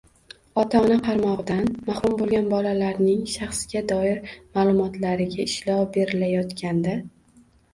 ota-ona qaramog‘idan mahrum bo‘lgan bolalarning shaxsga doir ma’lumotlariga ishlov berilayotganda